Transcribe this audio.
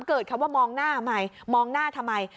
เกิดคำว่ามองหน้าใหม่มองหน้าทำไม